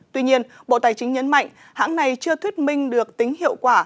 tuy nhiên bộ tài chính nhấn mạnh hãng này chưa thuyết minh được tính hiệu quả